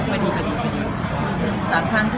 มาดี๓ครั้งที่ได้เป็นการเจอนายพี่พ่อ